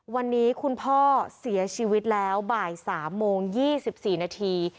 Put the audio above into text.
วันนี้คุณพ่อเสียชีวิตแล้วบ่ายสามโมงยี่สิบสี่นาที